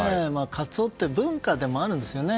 カツオって文化でもあるんですよね。